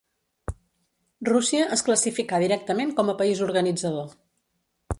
Rússia es classificà directament com a país organitzador.